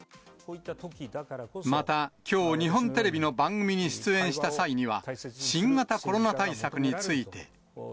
また、きょう日本テレビの番組に出演した際には、新型コロナ対策について。